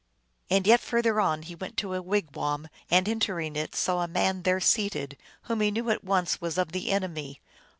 And yet further on he came to a wigwam, and entering it saw a man there seated, whom he knew at once was of the enemy.